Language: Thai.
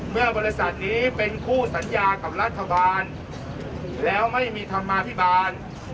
เมื่อบริษัทนี้เป็นคู่สัญญากับรัฐบาลแล้วไม่มีธรรมาภิบาล